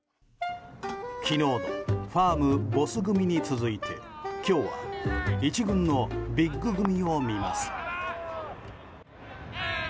昨日のファームボス組に続いて今日は１軍のビッグ組を見ます。